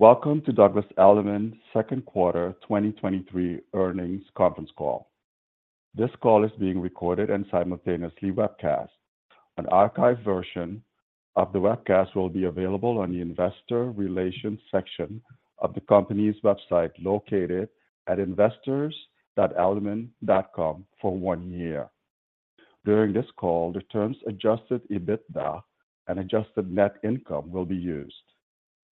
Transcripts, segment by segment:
Welcome to Douglas Elliman's Second Quarter 2023 Earnings Conference Call. This call is being recorded and simultaneously webcast. An archived version of the webcast will be available on the Investor Relations section of the company's website, located at investors.elliman.com for one year. During this call, the terms adjusted EBITDA and adjusted net income will be used.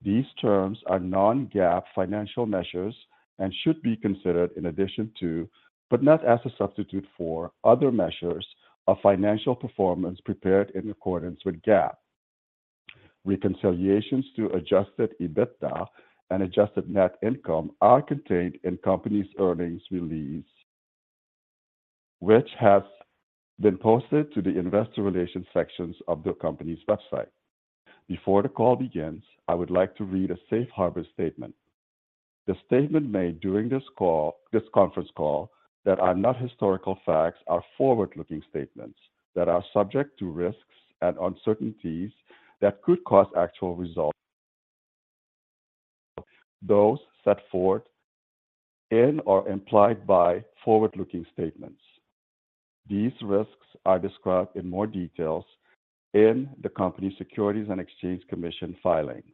These terms are non-GAAP financial measures and should be considered in addition to, but not as a substitute for, other measures of financial performance prepared in accordance with GAAP. Reconciliations to adjusted EBITDA and adjusted net income are contained in company's earnings release, which has been posted to the Investor Relations sections of the company's website. Before the call begins, I would like to read a safe harbor statement. The statement made during this call, this conference call, that are not historical facts, are forward-looking statements that are subject to risks and uncertainties that could cause actual results, those set forth in or implied by forward-looking statements. These risks are described in more details in the company's Securities and Exchange Commission filings.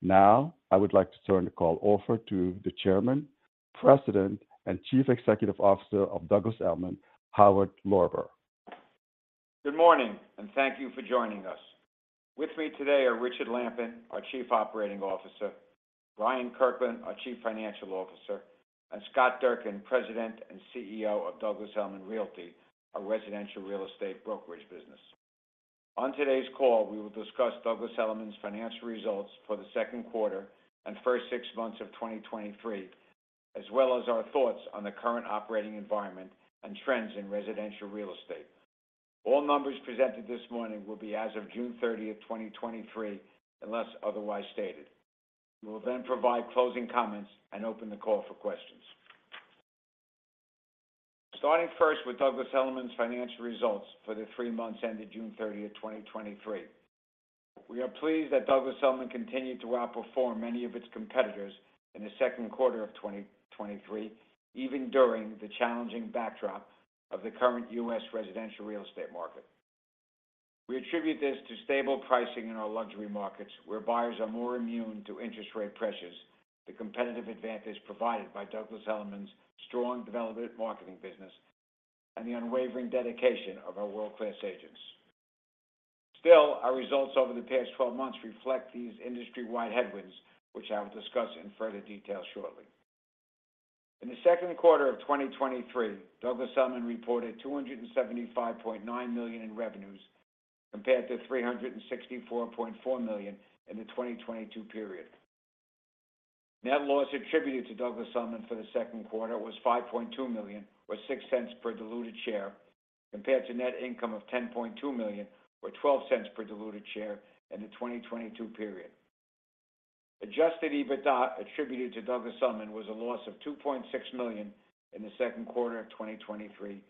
Now, I would like to turn the call over to the Chairman, President, and Chief Executive Officer of Douglas Elliman, Howard Lorber. Good morning. Thank you for joining us. With me today are Richard Lampen, our Chief Operating Officer, Bryant Kirkland, our Chief Financial Officer, and Scott Durkin, President and CEO of Douglas Elliman Realty, our residential real estate brokerage business. On today's call, we will discuss Douglas Elliman's financial results for the second quarter and first 6 months of 2023, as well as our thoughts on the current operating environment and trends in residential real estate. All numbers presented this morning will be as of June 30th, 2023, unless otherwise stated. We will provide closing comments and open the call for questions. Starting first with Douglas Elliman's financial results for the 3 months ended June 30th, 2023. We are pleased that Douglas Elliman continued to outperform many of its competitors in the second quarter of 2023, even during the challenging backdrop of the current U.S. residential real estate market. We attribute this to stable pricing in our luxury markets, where buyers are more immune to interest rate pressures, the competitive advantage provided by Douglas Elliman's strong Development Marketing business, and the unwavering dedication of our world-class agents. Still, our results over the past 12 months reflect these industry-wide headwinds, which I will discuss in further detail shortly. In the second quarter of 2023, Douglas Elliman reported $275.9 million in revenues, compared to $364.4 million in the 2022 period. Net loss attributed to Douglas Elliman for the second quarter was $5.2 million, or $0.06 per diluted share, compared to net income of $10.2 million, or $0.12 per diluted share in the 2022 period. Adjusted EBITDA attributed to Douglas Elliman was a loss of $2.6 million in the second quarter of 2023,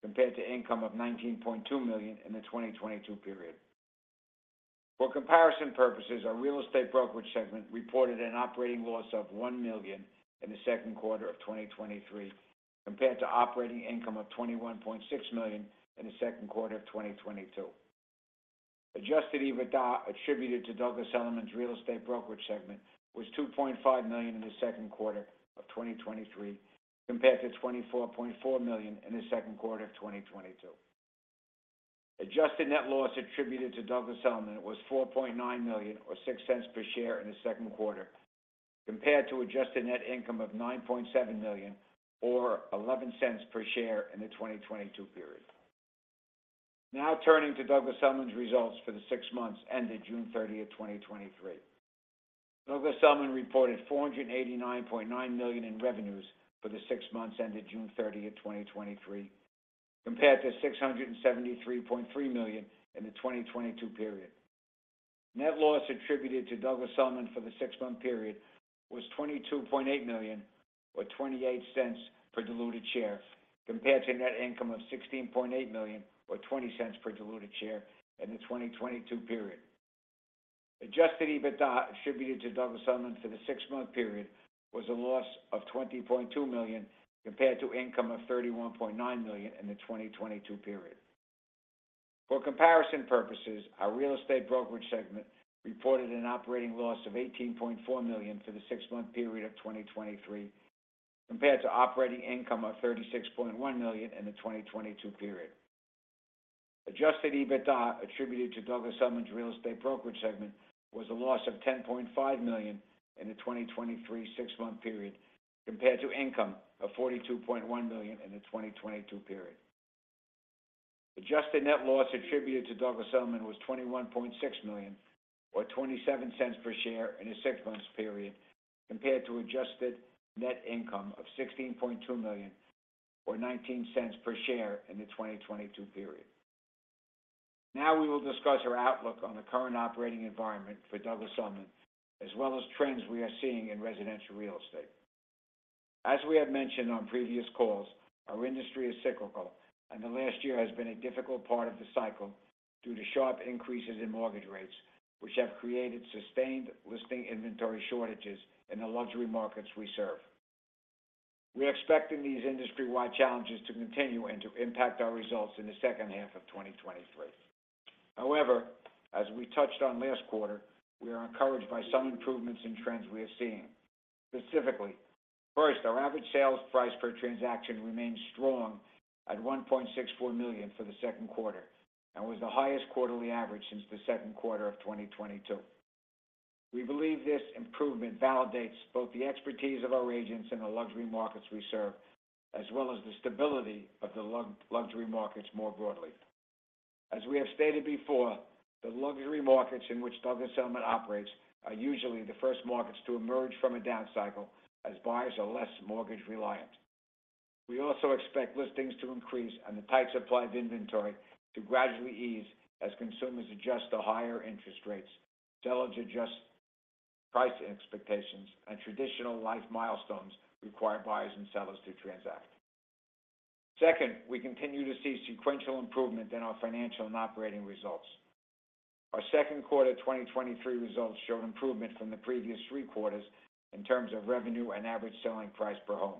compared to income of $19.2 million in the 2022 period. For comparison purposes, our real estate brokerage segment reported an operating loss of $1 million in the second quarter of 2023, compared to operating income of $21.6 million in the second quarter of 2022. Adjusted EBITDA attributed to Douglas Elliman's real estate brokerage segment was $2.5 million in the second quarter of 2023, compared to $24.4 million in the second quarter of 2022. Adjusted net loss attributed to Douglas Elliman was $4.9 million or $0.06 per share in the second quarter, compared to adjusted net income of $9.7 million or $0.11 per share in the 2022 period. Turning to Douglas Elliman's results for the six months ended June 30th, 2023. Douglas Elliman reported $489.9 million in revenues for the six months ended June 30th, 2023, compared to $673.3 million in the 2022 period. Net loss attributed to Douglas Elliman for the six-month period was $22.8 million or $0.28 per diluted share, compared to net income of $16.8 million or $0.20 per diluted share in the 2022 period. Adjusted EBITDA attributed to Douglas Elliman for the six-month period was a loss of $20.2 million, compared to income of $31.9 million in the 2022 period. For comparison purposes, our real estate brokerage segment reported an operating loss of $18.4 million for the six-month period of 2023, compared to operating income of $36.1 million in the 2022 period. Adjusted EBITDA attributed to Douglas Elliman's real estate brokerage segment was a loss of $10.5 million in the 2023 six-month period, compared to income of $42.1 million in the 2022 period. Adjusted net loss attributed to Douglas Elliman was $21.6 million or $0.27 per share in a six-month period, compared to adjusted net income of $16.2 million or $0.19 per share in the 2022 period. Now, we will discuss our outlook on the current operating environment for Douglas Elliman, as well as trends we are seeing in residential real estate. As we have mentioned on previous calls, our industry is cyclical, and the last year has been a difficult part of the cycle due to sharp increases in mortgage rates, which have created sustained listing inventory shortages in the luxury markets we serve. We are expecting these industry-wide challenges to continue and to impact our results in the second half of 2023. However, as we touched on last quarter, we are encouraged by some improvements in trends we are seeing. Specifically, first, our average sales price per transaction remains strong at $1.64 million for the second quarter and was the highest quarterly average since the second quarter of 2022. We believe this improvement validates both the expertise of our agents in the luxury markets we serve, as well as the stability of the luxury markets more broadly. As we have stated before, the luxury markets in which Douglas Elliman operates are usually the first markets to emerge from a down cycle as buyers are less mortgage-reliant. We also expect listings to increase and the tight supply of inventory to gradually ease as consumers adjust to higher interest rates, sellers adjust price expectations, and traditional life milestones require buyers and sellers to transact. Second, we continue to see sequential improvement in our financial and operating results. Our second quarter 2023 results showed improvement from the previous 3 quarters in terms of revenue and average selling price per home.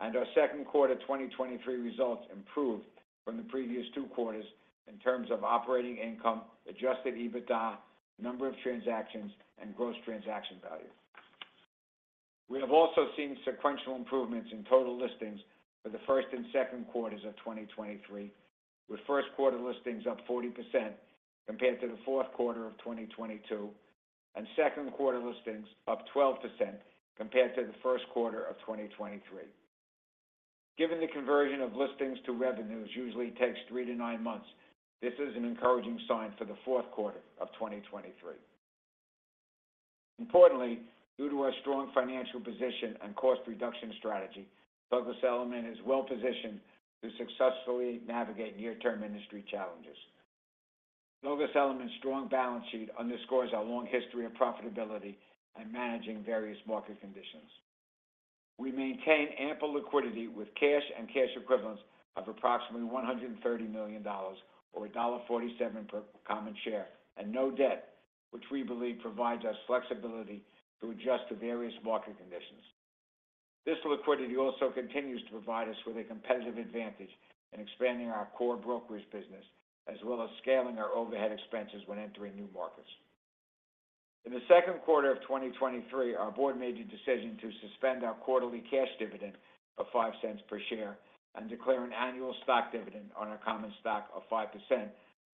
Our second quarter 2023 results improved from the previous two quarters in terms of operating income, adjusted EBITDA, number of transactions, and gross transaction value. We have also seen sequential improvements in total listings for the first and second quarters of 2023, with first quarter listings up 40% compared to the fourth quarter of 2022, and second quarter listings up 12% compared to the first quarter of 2023. Given the conversion of listings to revenues usually takes 3-9 months, this is an encouraging sign for the fourth quarter of 2023. Importantly, due to our strong financial position and cost reduction strategy, Douglas Elliman is well positioned to successfully navigate near-term industry challenges. Douglas Elliman's strong balance sheet underscores our long history of profitability and managing various market conditions. We maintain ample liquidity with cash and cash equivalents of approximately $130 million or $1.47 per common share and no debt, which we believe provides us flexibility to adjust to various market conditions. This liquidity also continues to provide us with a competitive advantage in expanding our core brokerage business, as well as scaling our overhead expenses when entering new markets. In the second quarter of 2023, our board made a decision to suspend our quarterly cash dividend of $0.05 per share and declare an annual stock dividend on our common stock of 5%,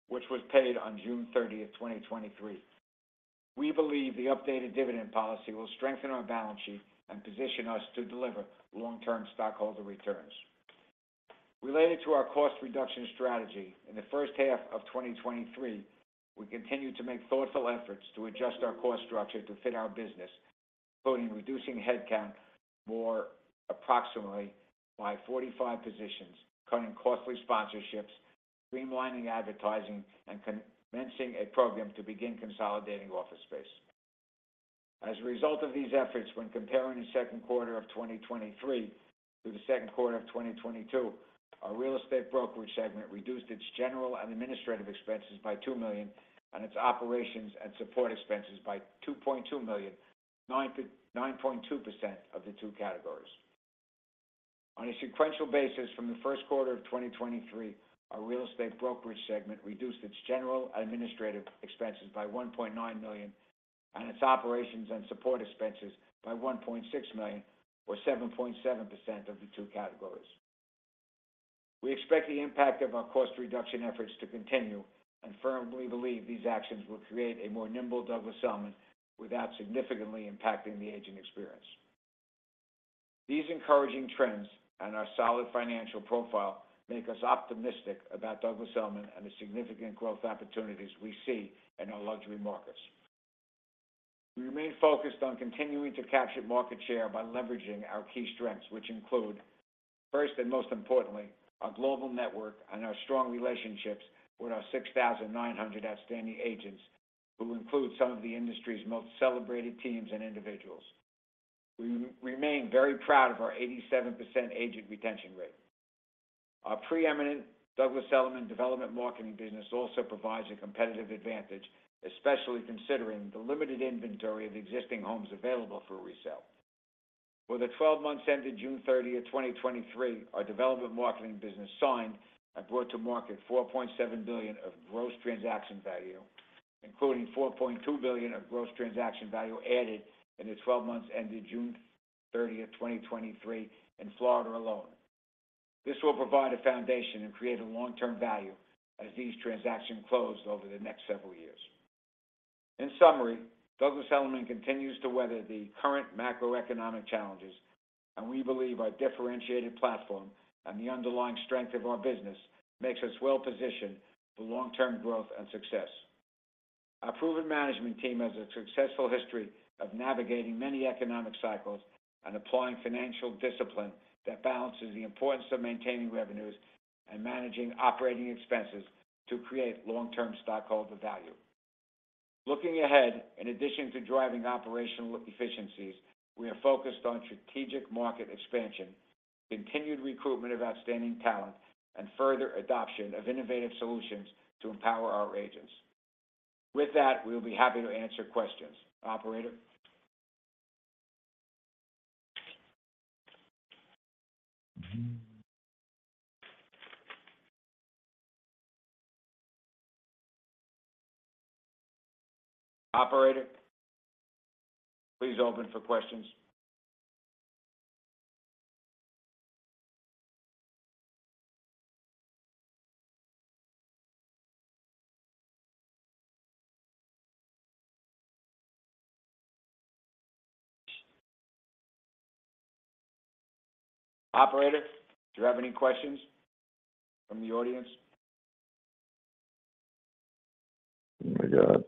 which was paid on June 30th, 2023. We believe the updated dividend policy will strengthen our balance sheet and position us to deliver long-term stockholder returns. Related to our cost reduction strategy, in the first half of 2023, we continued to make thoughtful efforts to adjust our cost structure to fit our business, including reducing headcount more approximately by 45 positions, cutting costly sponsorships, streamlining advertising, and commencing a program to begin consolidating office space. As a result of these efforts, when comparing the second quarter of 2023 to the second quarter of 2022, our real estate brokerage segment reduced its general and administrative expenses by $2 million and its operations and support expenses by $2.2 million, 9.2% of the two categories. On a sequential basis from the first quarter of 2023, our real estate brokerage segment reduced its general and administrative expenses by $1.9 million and its operations and support expenses by $1.6 million, or 7.7% of the two categories. We expect the impact of our cost reduction efforts to continue and firmly believe these actions will create a more nimble Douglas Elliman without significantly impacting the agent experience. These encouraging trends and our solid financial profile make us optimistic about Douglas Elliman and the significant growth opportunities we see in our luxury markets. We remain focused on continuing to capture market share by leveraging our key strengths, which include, first and most importantly, our global network and our strong relationships with our 6,900 outstanding agents, who include some of the industry's most celebrated teams and individuals. We remain very proud of our 87% agent retention rate. Our preeminent Douglas Elliman Development Marketing business also provides a competitive advantage, especially considering the limited inventory of existing homes available for resale. For the 12 months ended June 30th, 2023, our development marketing business signed and brought to market $4.7 billion of gross transaction value, including $4.2 billion of gross transaction value added in the 12 months ended June 30th, 2023, in Florida alone. This will provide a foundation and create a long-term value as these transactions close over the next several years. In summary, Douglas Elliman continues to weather the current macroeconomic challenges. We believe our differentiated platform and the underlying strength of our business makes us well positioned for long-term growth and success. Our proven management team has a successful history of navigating many economic cycles and applying financial discipline that balances the importance of maintaining revenues and managing operating expenses to create long-term stockholder value. Looking ahead, in addition to driving operational efficiencies, we are focused on strategic market expansion, continued recruitment of outstanding talent, and further adoption of innovative solutions to empower our agents. With that, we will be happy to answer questions. Operator? Operator, please open for questions. Operator, do you have any questions from the audience? Oh, my God.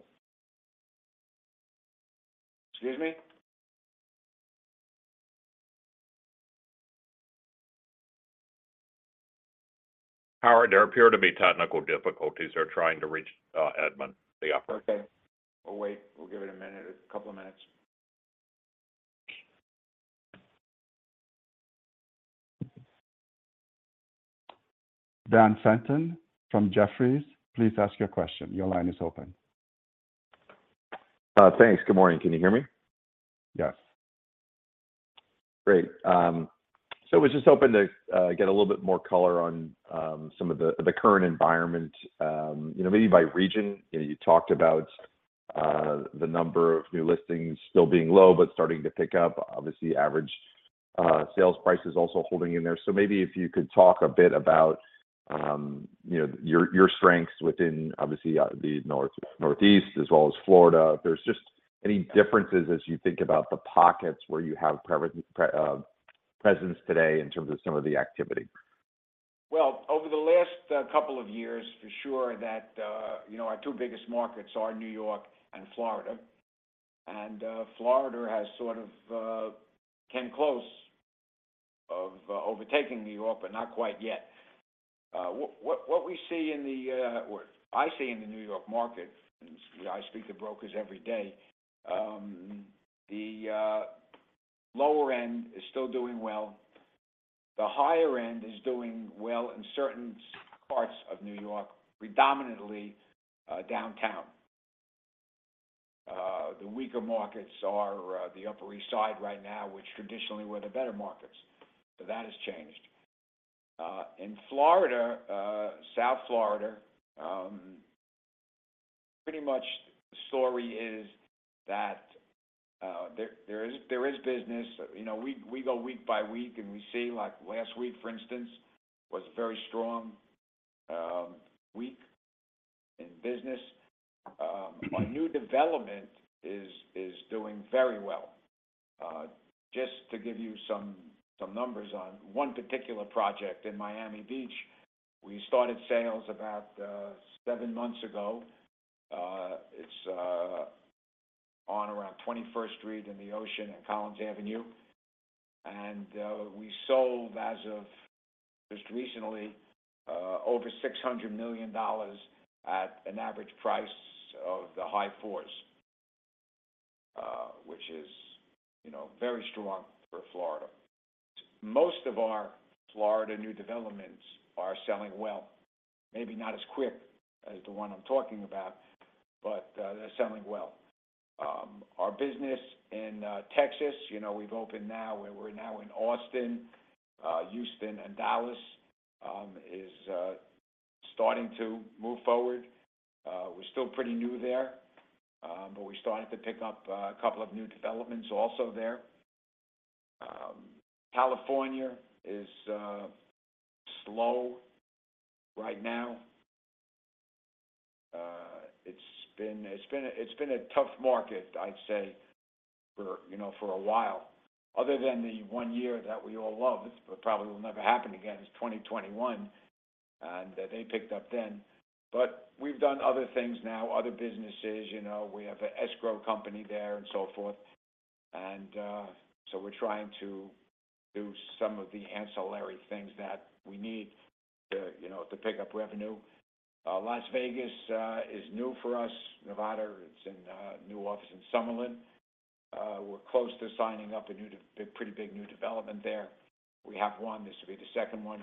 Excuse me? Howard, there appear to be technical difficulties. They're trying to reach, Edmund, the operator. Okay. We'll wait. We'll give it a minute, a couple of minutes. Dan Fannon from Jefferies, please ask your question. Your line is open. Thanks. Good morning. Can you hear me? Yes. Great. I was just hoping to get a little bit more color on some of the, the current environment, you know, maybe by region. You know, you talked about the number of new listings still being low, but starting to pick up. Obviously, average sales price is also holding in there. Maybe if you could talk a bit about, you know, your, your strengths within, obviously, the Northeast as well as Florida. If there's just any differences as you think about the pockets where you have presence today in terms of some of the activity. Well, over the last couple of years, for sure, that, you know, our two biggest markets are New York and Florida. Florida has sort of came close of overtaking New York, but not quite yet. What I see in the New York market, and I speak to brokers every day, the lower end is still doing well. The higher end is doing well in certain parts of New York, predominantly downtown. The weaker markets are the Upper East Side right now, which traditionally were the better markets, that has changed. In Florida, South Florida, pretty much the story is that there, there is, there is business. You know, we, we go week by week, and we see, like, last week, for instance, was a very strong week in business. Our new development is doing very well. Just to give you some some numbers on one particular project in Miami Beach, we started sales about seven months ago. It's on around Twenty-First Street in the Ocean and Collins Avenue, and we sold, as of just recently, over $600 million at an average price of the high fours, which is, you know, very strong for Florida. Most of our Florida new developments are selling well, maybe not as quick as the one I'm talking about, but they're selling well. Our business in Texas, you know, we've opened now where we're now in Austin, Houston, and Dallas, is starting to move forward. We're still pretty new there, but we started to pick up a couple of new developments also there. California is slow right now. It's been, it's been a, it's been a tough market, I'd say, for, you know, for a while. Other than the 1 year that we all loved, but probably will never happen again, is 2021, and they picked up then. We've done other things now, other businesses, you know, we have an escrow company there and so forth. We're trying to do some of the ancillary things that we need to, you know, to pick up revenue. Las Vegas is new for us. Nevada, it's in a new office in Summerlin. We're close to signing up a pretty big new development there. We have one. This will be the second one.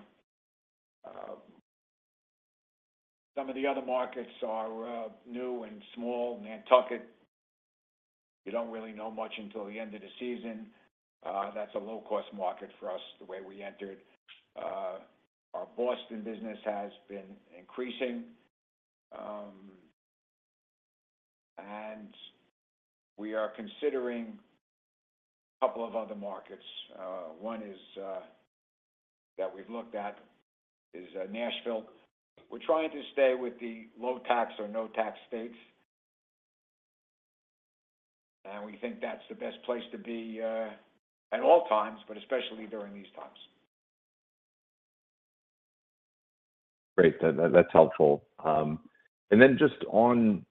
Some of the other markets are new and small. Nantucket, we don't really know much until the end of the season. That's a low-cost market for us, the way we entered. Our Boston business has been increasing. We are considering a couple of other markets. One is that we've looked at is Nashville. We're trying to stay with the low-tax or no-tax states. We think that's the best place to be at all times, but especially during these times. Great. That, that's helpful. And then just on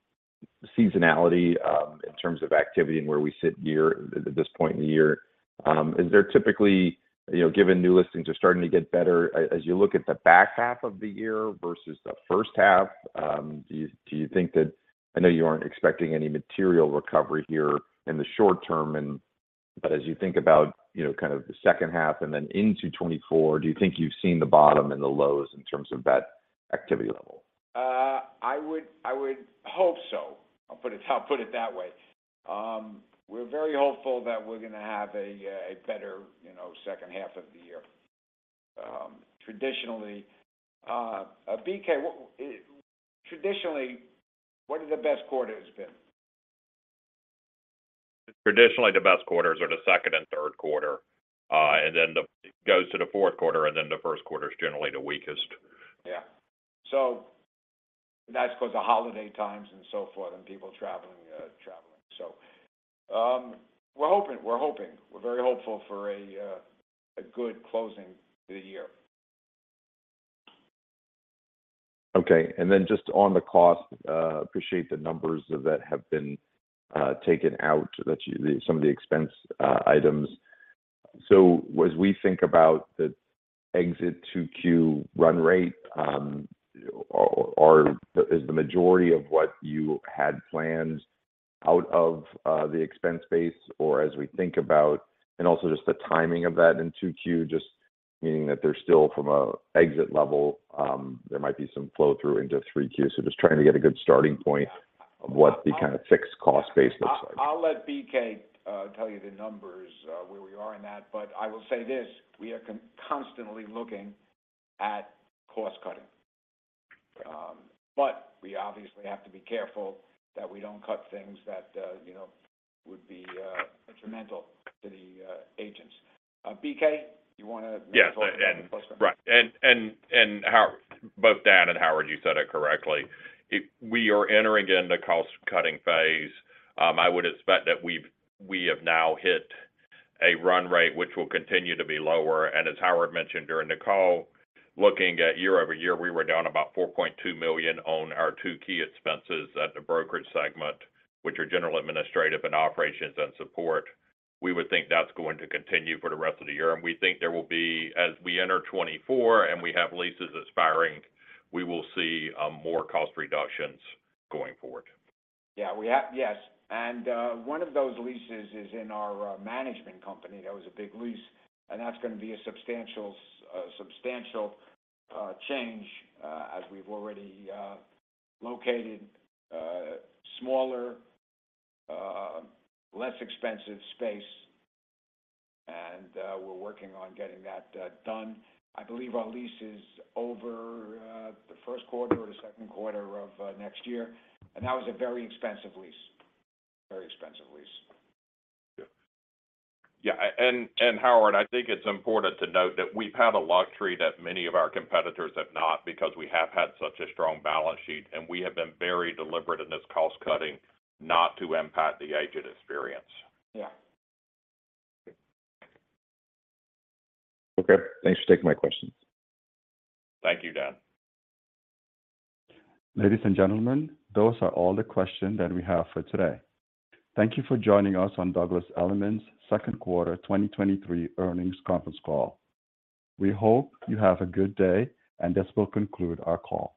seasonality, in terms of activity and where we sit at this point in the year. Is there typically, you know, given new listings are starting to get better, as, as you look at the back half of the year versus the first half, do you think that I know you aren't expecting any material recovery here in the short term, and but as you think about, you know, kind of the second half and then into 2024, do you think you've seen the bottom and the lows in terms of that activity level? I would, I would hope so. I'll put it, I'll put it that way. We're very hopeful that we're gonna have a, a better, you know, second half of the year. Traditionally, BK, what are the best quarters been? Traditionally, the best quarters are the second and third quarter. Then goes to the fourth quarter, and then the first quarter is generally the weakest. Yeah. That's 'cause the holiday times and so forth, and people traveling, traveling. We're hoping, we're hoping. We're very hopeful for a good closing to the year. Okay. Then just on the cost, appreciate the numbers that have been taken out, that you... Some of the expense items. As we think about the exit 2Q run rate, or is the majority of what you had planned out of the expense base? As we think about, and also just the timing of that in 2Q, just meaning that they're still from a exit level, there might be some flow-through into 3Q. Just trying to get a good starting point of what the kind of fixed cost base looks like. I, I'll let BK tell you the numbers where we are in that. I will say this: we are constantly looking at cost cutting. We obviously have to be careful that we don't cut things that, you know, would be detrimental to the agents. BK, you want to... Yeah. Go ahead. Right. Both Dan Fannon and Howard, you said it correctly. We are entering in the cost-cutting phase. I would expect that we have now hit a run rate, which will continue to be lower. As Howard mentioned during the call, looking at year-over-year, we were down about $4.2 million on our two key expenses at the brokerage segment, which are general, administrative, and operations and support. We would think that's going to continue for the rest of the year, and we think there will be, as we enter 2024, and we have leases expiring, we will see more cost reductions going forward. Yeah, we have. Yes, One of those leases is in our management company. That was a big lease, and that's gonna be a substantial, substantial change as we've already located smaller, less expensive space. We're working on getting that done. I believe our lease is over the first quarter or the second quarter of next year, and that was a very expensive lease. Very expensive lease. Yeah. Yeah, and Howard, I think it's important to note that we've had a luxury that many of our competitors have not, because we have had such a strong balance sheet, and we have been very deliberate in this cost cutting, not to impact the agent experience. Yeah. Okay. Thanks for taking my questions. Thank you, Dan. Ladies and gentlemen, those are all the questions that we have for today. Thank you for joining us on Douglas Elliman's second quarter 2023 earnings conference call. We hope you have a good day, and this will conclude our call.